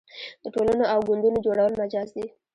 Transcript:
د ټولنو او ګوندونو جوړول مجاز دي.